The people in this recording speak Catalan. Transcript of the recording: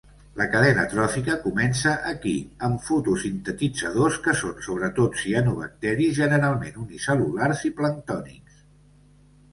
La cadena tròfica comença aquí, amb fotosintetitzadors, que són sobretot cianobacteris, generalment unicel·lulars i planctònics.